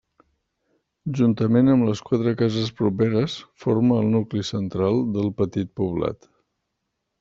Juntament amb les quatre cases properes, forma el nucli central del petit poblat.